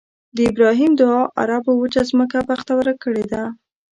د ابراهیم دعا عربو وچه ځمکه بختوره کړې ده.